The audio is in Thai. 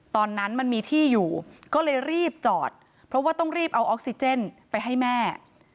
ตอนนั้นมันมีที่อยู่ก็เลยรีบจอดเพราะว่าต้องรีบเอาออกซิเจนไปให้แม่